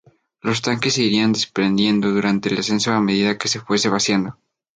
Los tanques se irían desprendiendo durante el ascenso a medida que se fuesen vaciando.